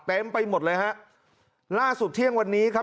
เต็มไปหมดเลยฮะล่าสุดเที่ยงวันนี้ครับ